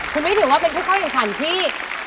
คุณวิถีว่าเป็นผู้เข้าเยี่ยมขันที่